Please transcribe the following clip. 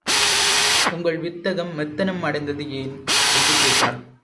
உங்கள் வித்தகம் மெத்தனம் அடைந்தது ஏன்? என்று கேட்டாள்.